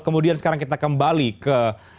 kemudian sekarang kita kembali ke